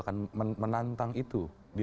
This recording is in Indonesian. akan menantang itu di